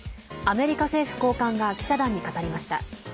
アメリカ政府高官が記者団に語りました。